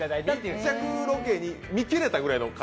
密着ロケに見切れたぐらいの。